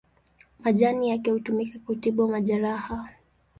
Majani yake hutumika kutibu majeraha.